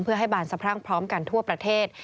เพื่อให้บานสะพรั่งพร้อมกันทั่วประเทศ